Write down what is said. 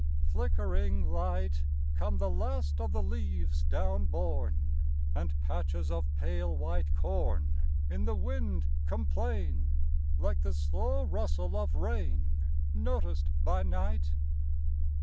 Flickering light, Come the last of the leaves down borne, And patches of pale white corn In the wind complain, Like the slow rustle of rain Noticed by night.